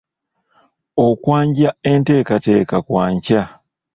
Okwanja nteekateeka kwa nkya.